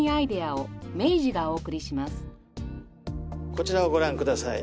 こちらをご覧ください。